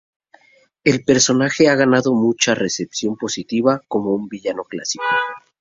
El personaje ha ganado mucha recepción positiva como un villano clásico.